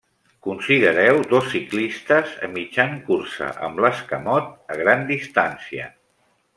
Considereu dos ciclistes a mitjan cursa, amb l'escamot a gran distància.